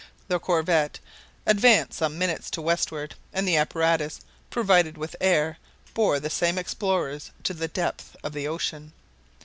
The corvette advanced some minutes to westward, and the apparatus, provided with air, bore the same explorers to the depths of the ocean.